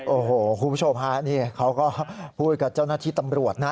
โอ้โหคุณผู้ชมฮะนี่เขาก็พูดกับเจ้าหน้าที่ตำรวจนะ